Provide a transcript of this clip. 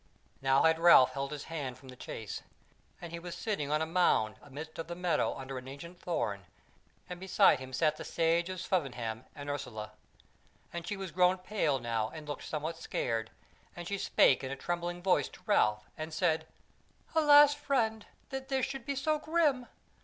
Now had Ralph held his hand from the chase, and he was sitting on a mound amidst of the meadow under an ancient thorn, and beside him sat the Sage of Swevenham and Ursula. And she was grown pale now and looked somewhat scared, and she spake in a trembling voice to Ralph, and said: "Alas friend! that this should be so grim!